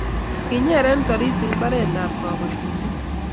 kinyere toriti mbaretab kabotindet